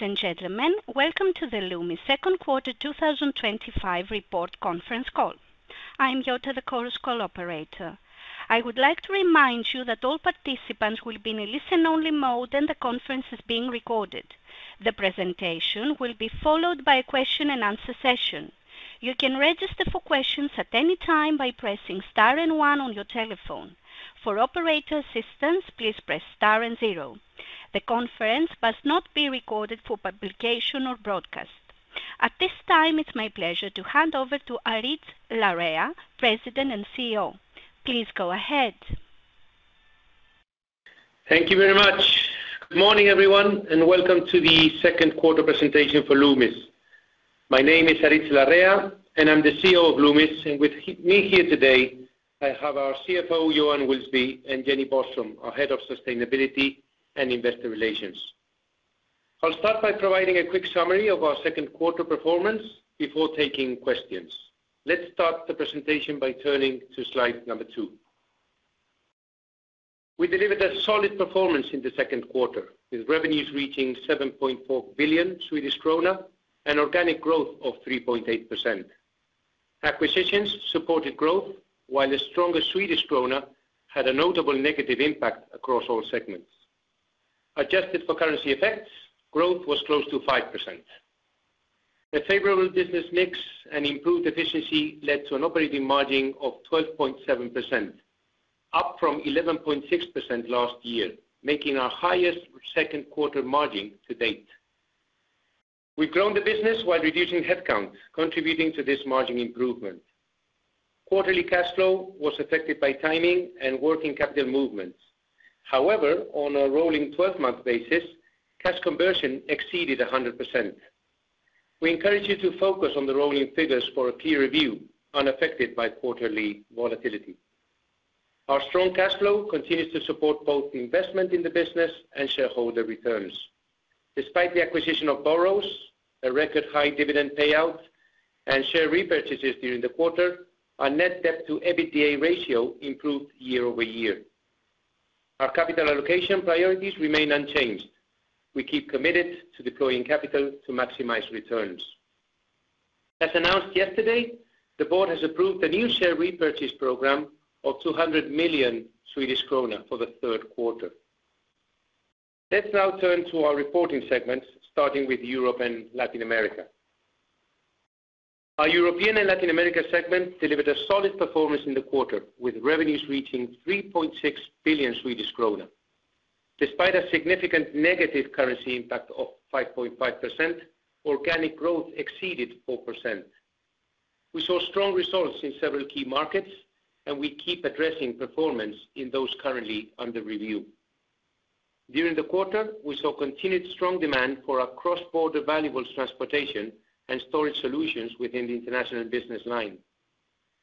Ladies and gentlemen, welcome to the Lumi Second Quarter twenty twenty five Report Conference Call. I am Jota, the chorus call operator. I would like to remind you that all participants will be in a listen only mode and the conference is being recorded. The presentation will be followed by a question and answer session. The conference must not be recorded for publication or broadcast. At this time, it's my pleasure to hand over to Aritz Larrea, President and CEO. Please go ahead. Thank you very much. Good morning, everyone, and welcome to the second quarter presentation for Loomis. My name is Aritz Larrea, and I'm the CEO of Loomis. And with me here today, I have our CFO, Johan Wilsby and Jenny Bostrom, our Head of Sustainability and Investor Relations. I'll start by providing a quick summary of our second quarter performance before taking questions. Let's start the presentation by turning to Slide number two. We delivered a solid performance in the second quarter with revenues reaching 7,400,000,000.0 Swedish krona and organic growth of 3.8%. Acquisitions supported growth, while the stronger Swedish krona had a notable negative impact across all segments. Adjusted for currency effects, growth was close to 5%. The favorable business mix and improved efficiency led to an operating margin of 12.7%, up from 11.6% last year, making our highest second quarter margin to date. We've grown the business while reducing headcount contributing to this margin improvement. Quarterly cash flow was affected by timing and working capital movements. However, on a rolling twelve month basis, cash conversion exceeded 100%. We encourage you to focus on the rolling figures for a clear review unaffected by quarterly volatility. Our strong cash flow continues to support both investment in the business and shareholder returns. Despite the acquisition of Boros, a record high dividend payout and share repurchases during the quarter, our net debt to EBITDA ratio improved year over year. Our capital allocation priorities remain unchanged. We keep committed to deploying capital to maximize returns. As announced yesterday, the Board has approved a new share repurchase program of 200,000,000 Swedish krona for the third quarter. Let's now turn to our reporting segments starting with Europe and Latin America. Our European and Latin America segment delivered a solid performance in the quarter with revenues reaching billion Despite a significant negative currency impact of 5.5%, organic growth exceeded 4%. We saw strong results in several key markets and we keep addressing performance in those currently under review. During the quarter, we saw continued strong demand for our cross border valuables transportation and storage solutions within the international business line.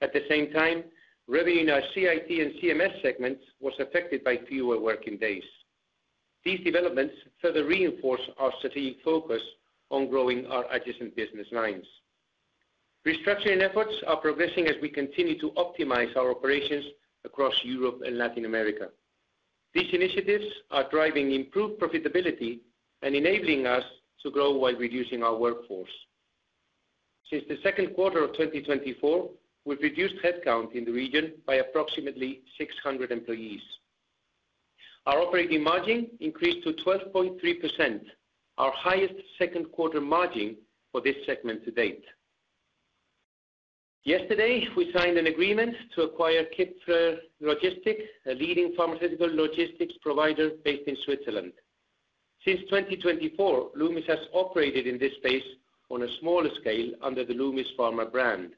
At the same time, revenue in our CIT and CMS segments was affected by fewer working days. These developments further reinforce our strategic focus on growing our adjacent business lines. Restructuring efforts are progressing as we continue to optimize our operations across Europe and Latin America. These initiatives are driving improved profitability and enabling us to grow while reducing our workforce. Since the second quarter of twenty twenty four, we've reduced headcount in the region by approximately 600 employees. Our operating margin increased to 12.3%, our highest second quarter margin for this segment to date. Yesterday, we signed an agreement to acquire Kipfer Logistics, a leading pharmaceutical logistics provider based in Switzerland. Since 2024, Loomis has operated in this space on a smaller scale under the Loomis Pharma brand.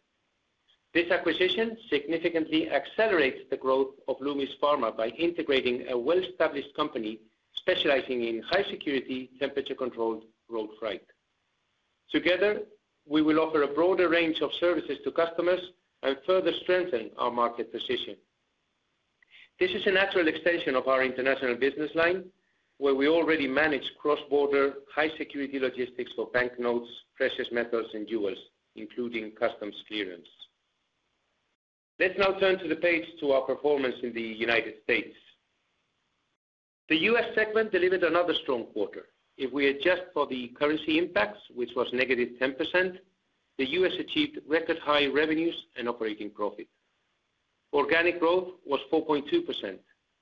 This acquisition significantly accelerates the growth of Lumis Pharma by integrating a well established company specializing in high security temperature controlled road freight. Together, we will offer a broader range of services to customers and further strengthen our market position. This is a natural extension of our international business line, where we already manage cross border, high security logistics for banknotes, precious metals and jewels, including customs clearance. Let's now turn to the page to our performance in The United States. The U. S. Segment delivered another strong quarter. If we adjust for the currency impacts, which was negative 10%, The U. S. Achieved record high revenues and operating profit. Organic growth was 4.2%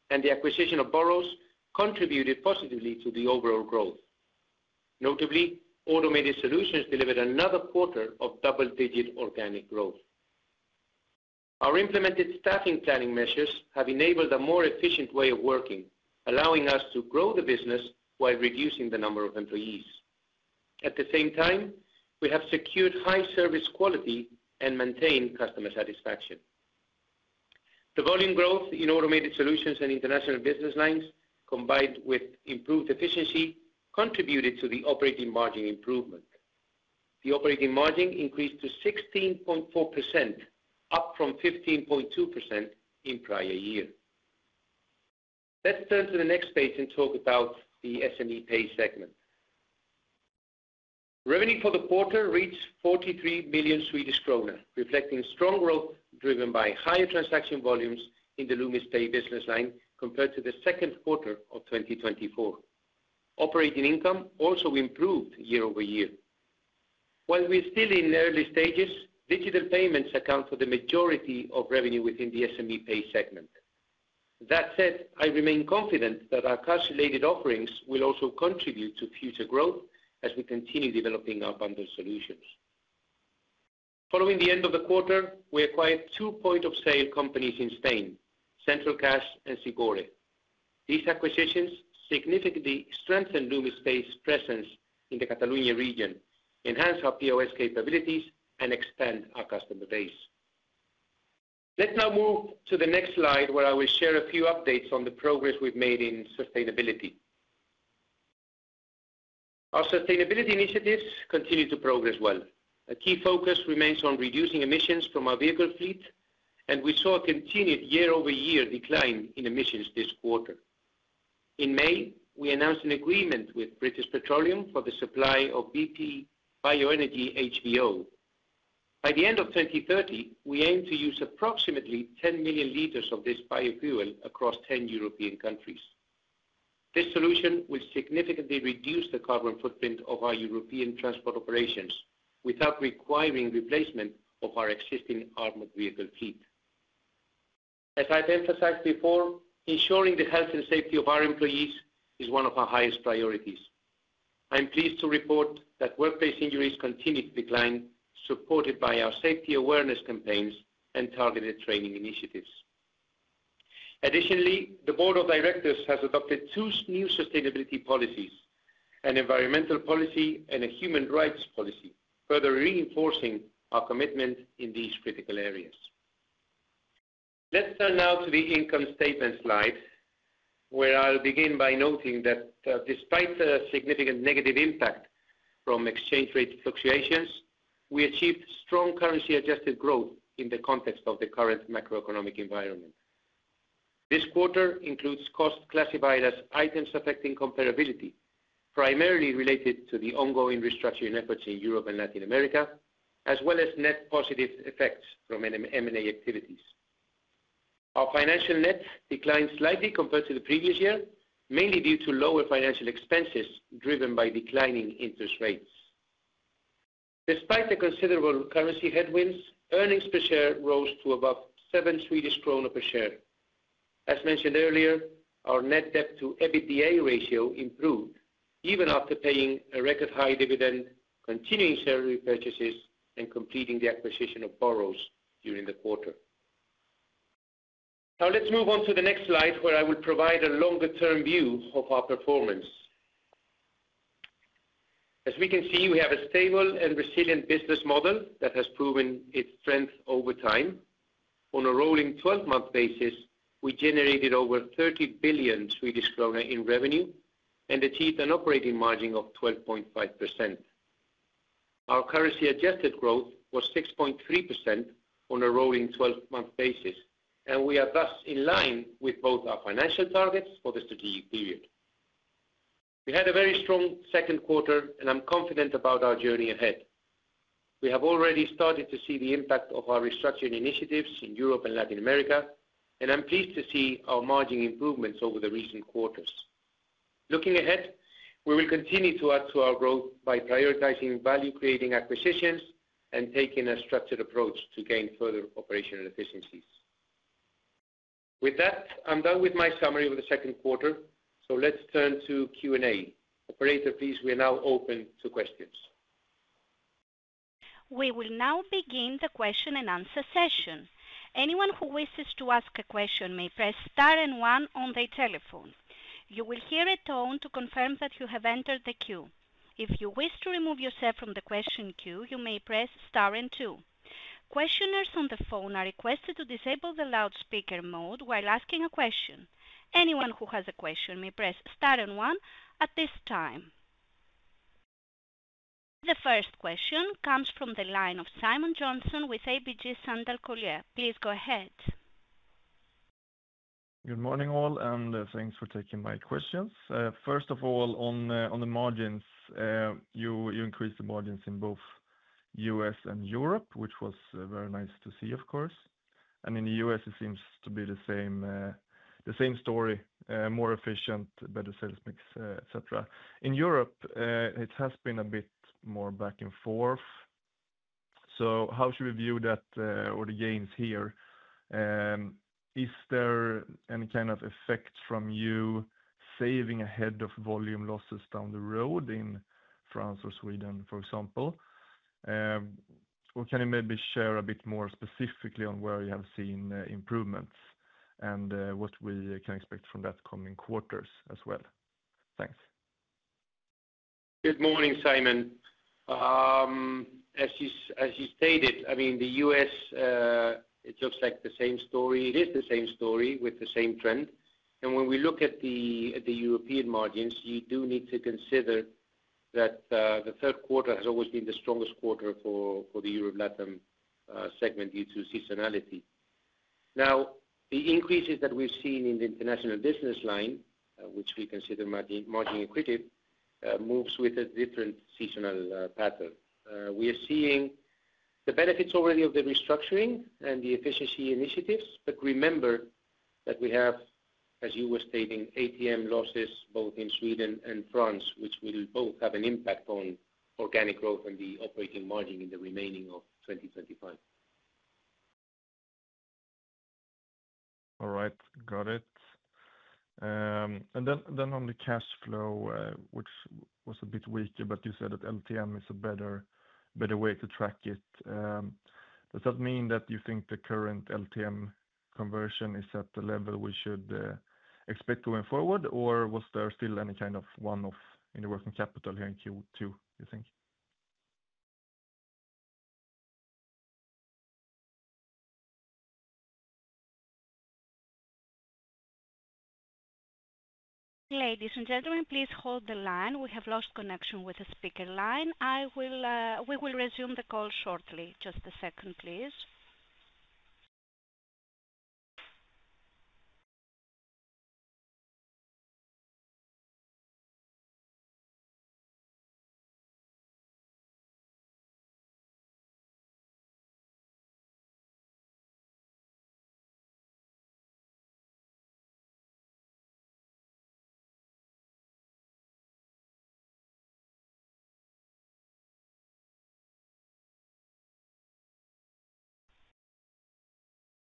and the acquisition of Boros contributed positively to the overall growth. Notably, Automated Solutions delivered another quarter of double digit organic growth. Our implemented staffing planning measures have enabled a more efficient way of working, allowing us to grow the business while reducing the number of employees. At the same time, we have secured high service quality and maintained customer satisfaction. The volume growth in Automated Solutions and International business lines, combined with improved efficiency, contributed to the operating margin improvement. The operating margin increased to 16.4%, up from 15.2% in prior year. Let's turn to the next page and talk about the SME Pays segment. Revenue for the quarter reached 43 million Swedish kronor, reflecting strong growth driven by higher transaction volumes in the LumiSpay business line compared to the second quarter of twenty twenty four. Operating income also improved year over year. While we're still in early stages, digital payments account for the majority of revenue within the SME pay segment. That said, I remain confident that our cash related offerings will also contribute to future growth as we continue developing our bundled solutions. Following the end of the quarter, we acquired two point of sale companies in Spain, Central Cash and Sigore. These acquisitions significantly strengthened LumiSpace's presence in the Catalonia region, enhance our POS capabilities and expand our customer base. Let's now move to the next slide where I will share a few updates on the progress we've made in sustainability. Our sustainability initiatives continue to progress well. A key focus remains on reducing emissions from our vehicle fleet, and we saw a continued year over year decline in emissions this quarter. In May, we announced an agreement with British Petroleum for the supply of BP Bioenergy HVO. By the end of 02/1930, we aim to use approximately 10,000,000 liters of this biofuel across 10 European countries. This solution will significantly reduce the carbon footprint of our European transport operations without requiring replacement of our existing armored vehicle fleet. As I've emphasized before, ensuring the health and safety of our employees is one of our highest priorities. I'm pleased to report that workplace injuries continue to decline, supported by our safety awareness campaigns and targeted training initiatives. Additionally, the Board of Directors has adopted two new sustainability policies, an environmental policy and a human rights policy, further reinforcing our commitment in these critical areas. Let's turn now to the income statement slide, where I'll begin by noting that despite the significant negative impact from exchange rate fluctuations, we achieved strong currency adjusted growth in the context of the current macroeconomic environment. This quarter includes costs classified as items affecting comparability, primarily related to the ongoing restructuring efforts in Europe and Latin America as well as net positive effects from M and A activities. Our financial net declined slightly compared to the previous year, mainly due to lower financial expenses driven by declining interest rates. Despite the considerable currency headwinds, earnings per share rose to above seven per share. As mentioned earlier, our net debt to EBITDA ratio improved even after paying a record high dividend, continuing share repurchases and completing the acquisition of Boros during the quarter. Now let's move on to the next slide where I would provide a longer term view of our performance. As we can see, we have a stable and resilient business model that has proven its strength over time. On a rolling twelve month basis, we generated over 30,000,000,000 Swedish kronor in revenue and achieved an operating margin of 12.5%. Our currency adjusted growth was 6.3% on a rolling twelve month basis, and we are thus in line with both our financial targets for the strategic period. We had a very strong second quarter, and I'm confident about our journey ahead. We have already started to see the impact of our restructuring initiatives in Europe and Latin America, and I'm pleased to see our margin improvements over the recent quarters. Looking ahead, we will continue to add to our growth by prioritizing value creating acquisitions and taking a structured approach to gain further operational efficiencies. With that, I'm done with my summary of the second quarter. So let's turn to Q and A. Operator, please we are now open to questions. We will now begin the question and answer session. Anyone who wishes to ask a question may press and one on their telephone. You will hear a tone to confirm that you have entered the queue. If you wish to remove yourself from the question queue, you may press and two. Question comes from the line of Simon Johnson with ABG Sundal Collier. Please go ahead. Good morning all, and thanks for taking my questions. First of all, on the margins, you increased the margins in both US and Europe, which was very nice to see, of course. And in The US, it seems to be the same the same story, more efficient, better sales mix, etcetera. In Europe, it has been a bit more back and forth. So how should we view that or the gains here? Is there any kind of effect from you saving ahead of volume losses down the road in France or Sweden, for example? Or can you maybe share a bit more specifically on where you have seen improvements and what we can expect from that coming quarters as well? Thanks. Good morning, Simon. As you stated, I mean, The U. S, it looks like the same story. It is the same story with the same trend. And when we look at European margins, you do need to consider that the third quarter has always been the strongest quarter for the Europe Latam segment due to seasonality. Now the increases that we've seen in the international business line, which we consider margin accretive, moves with a different seasonal pattern. We are seeing the benefits already of the restructuring and the efficiency initiatives. But remember that we have, as you were stating, ATM losses both in Sweden and France, which will both have an impact on organic growth and the operating margin in the remaining of 2025. All right. Got it. And then then on the cash flow, which was a bit weaker, but you said that LTM is a better better way to track it. Does that mean that you think the current LTM conversion is at the level we should expect going forward, or was there still any kind of one off in the working capital here in q two, you think? Ladies and gentlemen, please hold the line. We have lost connection with the speaker line. I will, we will resume the call shortly. Just a second, please.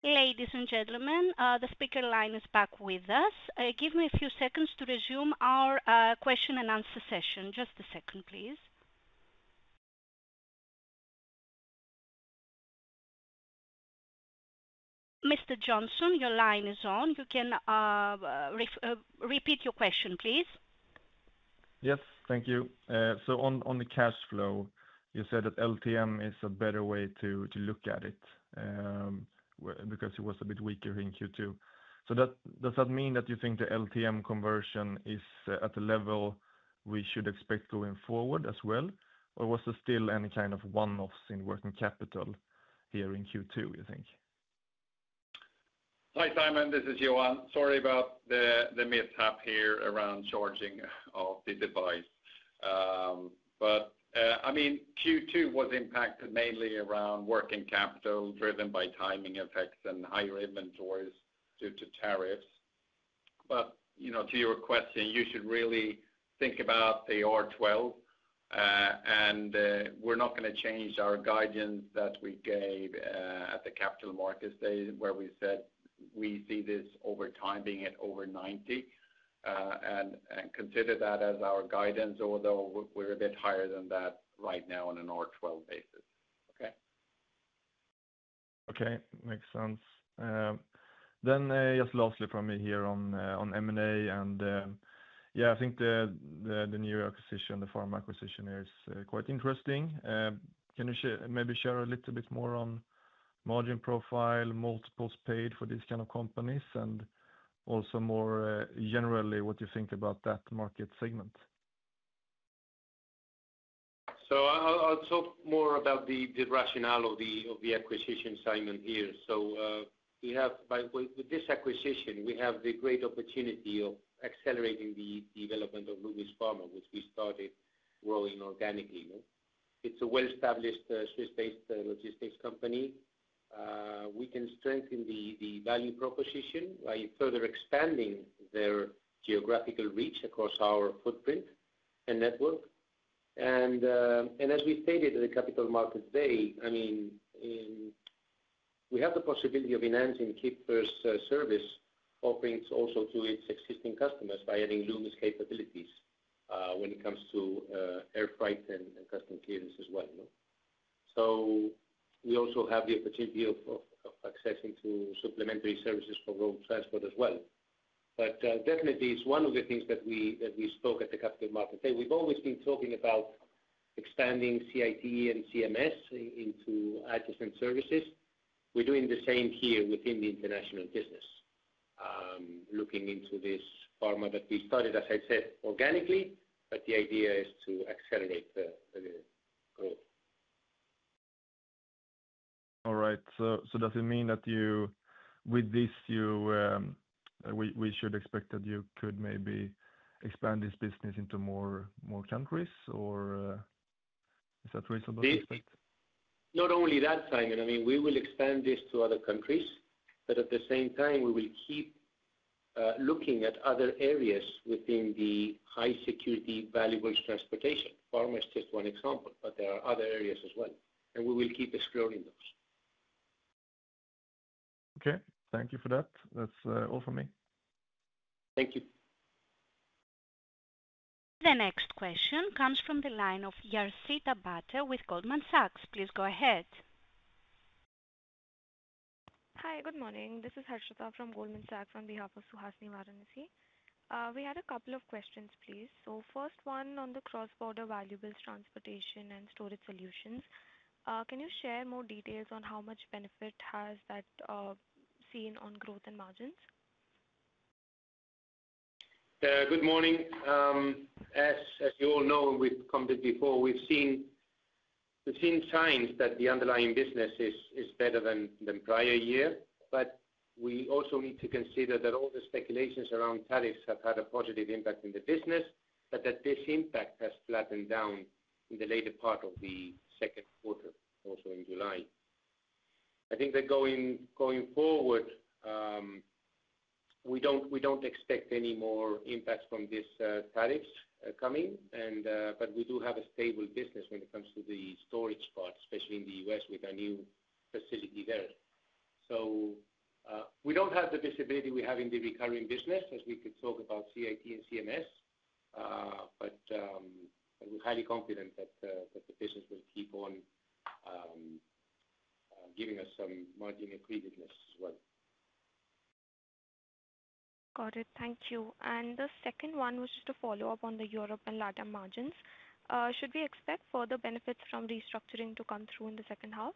Ladies and gentlemen, the speaker line is back with us. Give me a few seconds to resume our question and answer session. Just a second, please. Mr. Johnson, your line is on. You can repeat your question, please. Yes. Thank you. So on on the cash flow, you said that LTM is a better way to to look at it because it was a bit weaker in q two. So does that mean that you think the LTM conversion is at the level we should expect going forward as well? Or was there still any kind of one offs in working capital here in Q2, you think? Hi, Simon. This is Johan. Sorry about the mishap here around charging of the device. But I mean, Q2 was impacted mainly around working capital driven by timing effects and higher inventories due to tariffs. But to your question, you should really think about the R12, and we're not going to change our guidance that we gave at the Capital Markets Day where we said we see this over time being at over 90% and consider that as our guidance, although we're a bit higher than that right now on an R12 basis. Okay? Okay. Makes sense. Then just lastly from me here on M and A. And, yes, I think the new acquisition, the pharma acquisition is quite interesting. Can you share maybe share a little bit more on margin profile, multiples paid for these kind of companies? And also more generally what you think about that market segment? So I'll talk more about the rationale of the acquisition, Simon, here. So we have by the way, with this acquisition, we have the great opportunity of accelerating the development of Louis Pharma, which we started growing organically. It's a well established Swiss based logistics company. We can strengthen the the value proposition by further expanding their geographical reach across our footprint and network. And and as we stated at the Capital Markets Day, I mean, in we have the possibility of enhancing keep first service offerings also to its existing customers by adding Lumen's capabilities, when it comes to, air freight and and custom clearance as well. So we also have the opportunity of of of accessing to supplementary services for road transport as well. But, definitely, it's one of the things that we that we spoke at the Capital Market Day. We've always been talking about expanding CIT and CMS into adjacent services. We're doing the same here within the international business, looking into this pharma that we started, as I said, organically, but the idea is to accelerate the the growth. Alright. So so does it mean that you with this, you we we should expect that you could maybe expand this business into more more countries? Or is that reasonable to Not only that, Simon. I mean, we will expand this to other countries, but at the same time, we will keep looking at other areas within the high security valuable transportation. Pharma is just one example, but there are other areas as well, and we will keep exploring those. Okay. Thank you for that. That's all for me. Thank you. The next question comes from the line of Yarsita Bhatta with Goldman Sachs. Please go ahead. Hi, good morning. This is Harshita from Goldman Sachs on behalf of Suhasini Varanasi. We had a couple of questions, please. So first one on the cross border valuables transportation and storage solutions. Can you share more details on how much benefit has that seen on growth and margins? Good morning. As as you all know, we've commented before, we've seen we've seen signs that the underlying business is is better than than prior year, but we also need to consider that all the speculations around tariffs have had a positive impact in the business, but that this impact has flattened down in the later part of the second quarter, also in July. I think that going going forward, we don't we don't expect any more impacts from this tariffs coming, and, but we do have a stable business when it comes to the storage part, especially in The US with our new facility there. So we don't have the visibility we have in the recurring business as we could talk about CIT and CMS, but but we're highly confident that that the business will keep on giving us some margin accretiveness as well. Got it. Thank you. And the second one was just a follow-up on the Europe and LatAm margins. Should we expect further benefits from restructuring to come through in the second half?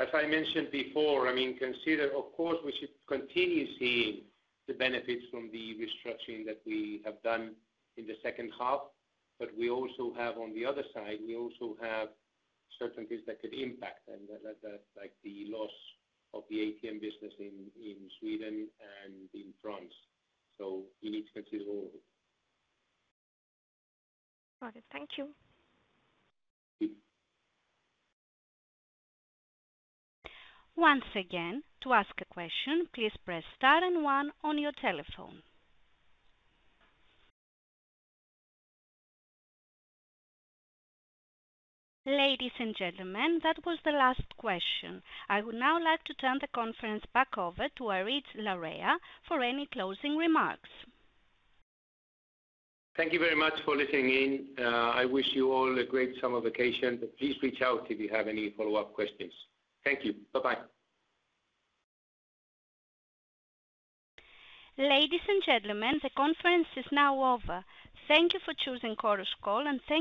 As I mentioned before, I mean, consider of course, we should continue seeing the benefits from the restructuring that we have done in the second half. But we also have on the other side, we also have certainties that could impact and that that that like the loss of the ATM business in in Sweden and in France. So we need to consider all of it. Got it. Thank you. Ladies and gentlemen, that was the last question. I would now like to turn the conference back over to Arit Larrea for any closing remarks. Thank you very much for listening in. I wish you all a great summer vacation, but please reach out if you have any follow-up questions. Thank you. Bye bye. Ladies and gentlemen, the conference is now over. Thank you for choosing Chorus Call and thank